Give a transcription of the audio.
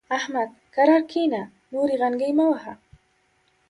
احمد؛ کرار کېنه ـ نورې غنګۍ مه وهه.